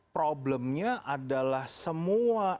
problemnya adalah semua